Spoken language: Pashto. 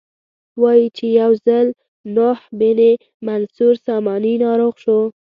وایي چې یو ځل نوح بن منصور ساماني ناروغ شو.